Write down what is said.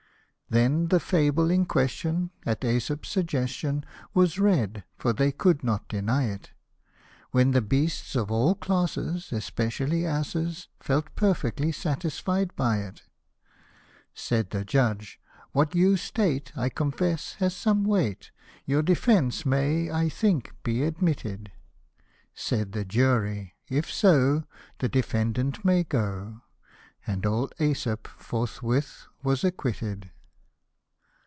127 Then the fable in question, at jEsop's suggestion, Was read, (for they could not deny it) ; When the beasts of all classes, especially asses, Felt perfectly satisfied by it. Said the judge, " What you state, I confess, has some weight, , Your defence may, I think, be admitted ;" Said the jury, " If so, the defendant may go ;" And old jEsop forthwith was acquitted.